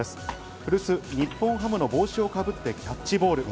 古巣・日本ハムの帽子をかぶってキャッチボール。